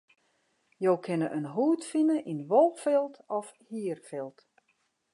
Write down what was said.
Jo kinne in hoed fine yn wolfilt of hierfilt.